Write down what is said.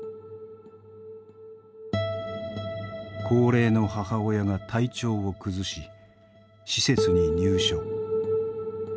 高齢の母親が体調を崩し施設に入所。